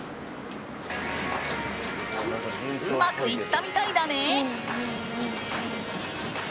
うまくいったみたいだね！